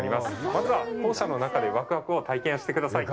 まずは校舎の中でワクワクを体験してください。